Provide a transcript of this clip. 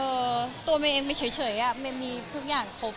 ตัวเมย์เองเมย์เฉยอ่ะเมย์มีทุกอย่างครบ